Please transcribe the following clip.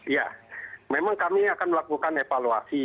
ya memang kami akan melakukan evaluasi